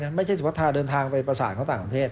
ไม่ใช่สุพัทธาเดินทางไปประสานเขาต่างประเทศ